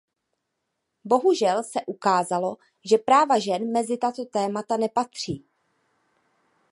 Bohužel se ukázalo, že práva žen mezi tato témata nepatří.